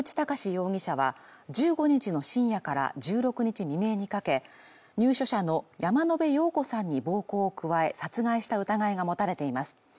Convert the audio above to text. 容疑者は１５日の深夜から１６日未明にかけ入所者の山野辺陽子さんに暴行を加え殺害した疑いが持たれています